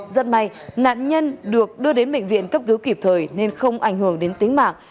rất may nạn nhân được đưa đến bệnh viện cấp cứu kịp thời nên không ảnh hưởng đến tính mạng